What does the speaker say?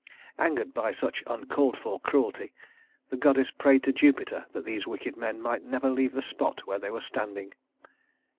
Angered by such uncalled for cruelty, the goddess prayed to Jupiter that these wicked men might never leave the spot where they were standing.